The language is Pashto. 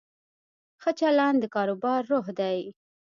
ښه چلند د کاروبار روح دی.